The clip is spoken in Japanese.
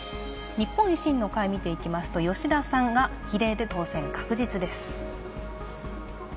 日本維新の会、見ていきますと吉田さんが比例で当選確実です。